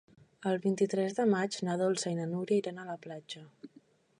El vint-i-tres de maig na Dolça i na Núria iran a la platja.